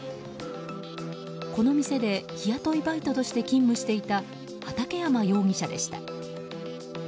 この店で日雇いバイトとして勤務していた畠山容疑者でした。